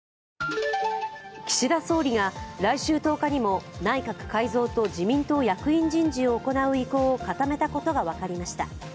岸田総理が来週１０日も内閣改造と自民党役員人事を行う意向を固めたことが分かりました。